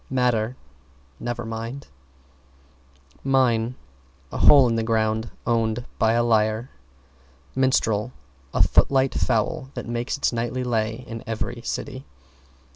=MATTER= Never mind. =MINE= A hole in the ground owned by a liar. =MINSTREL= A footlight foul that makes its nightly lay in every city.